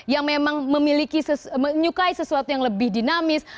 yang memang menyukai sesuatu yang lebih dinamis